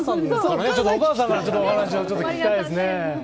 お母さんからちょっとお話を聞きたいですね。